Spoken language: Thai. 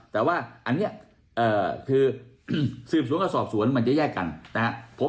แต่ว่าอันนี้คือสืบสวนกับสอบสวนมันจะแยกกันนะครับ